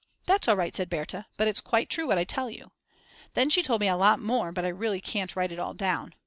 That's all right said Berta, but it's quite true what I tell you. Then she told me a lot more but I really can't write it all down.